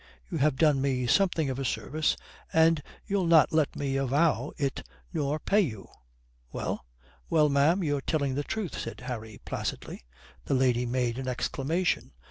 You have done me something of a service, and you'll not let me avow it nor pay you. Well?" "Well, ma'am, you're telling the truth," said Harry placidly. The lady made an exclamation.